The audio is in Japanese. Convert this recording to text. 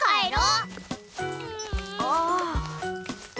ああ。